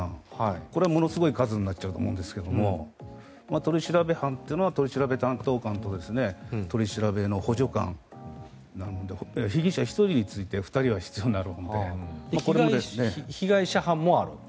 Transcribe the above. これはものすごい数になっちゃうと思うんですけど取り調べ班というのは取り調べ担当官と取り調べの補助官被疑者１人について被害者班もある？